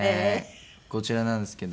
こちらなんですけど。